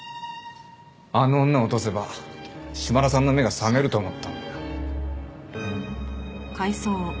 あの女を落とせば島田さんの目が覚めると思った。